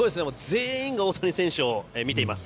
全員が大谷選手を見ています。